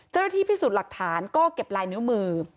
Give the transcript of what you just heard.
เจ้าหน้าที่พิสูจน์หลักฐานก็เก็บลายนิ้วมือ